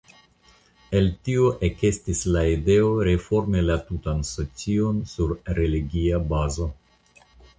El tio ekestis la ideo reformi la tutan socion sur religia bazo.